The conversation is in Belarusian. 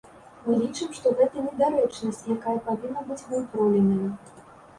Мы лічым, што гэта недарэчнасць, якая павінна быць выпраўленая.